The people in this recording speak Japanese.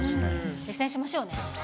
実践しましょうね。